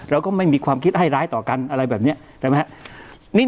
เราก็ไม่มีความคิดให้ร้ายต่อกันอะไรแบบนี้ใช่ไหมครับ